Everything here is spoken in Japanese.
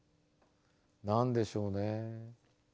何でしょうね。